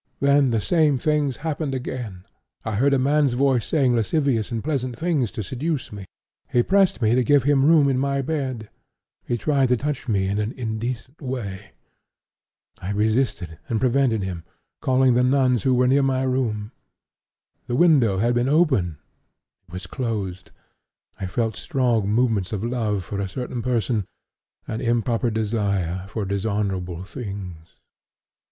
Then the same things happened again. I heard a man's voice saying lascivious and pleasant things to seduce me; he pressed me to give him room in my bed; he tried to touch me in an indecent way; I resisted and prevented him, calling the nuns who were near my room; the window had been open, it was closed; I felt strong movements of love for a certain person, and improper desire for dishonorable things."